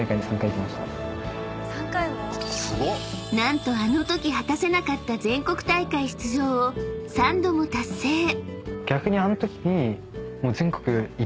３回も⁉［何とあのとき果たせなかった全国大会出場を三度も達成］